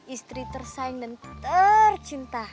istri tersayang dan tercinta